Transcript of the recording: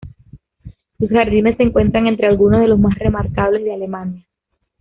Sus jardines se encuentran entre algunos de los más remarcables de Alemania.